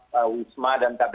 setaf wisma dan kbri